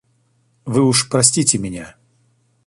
Вы уж простите меня.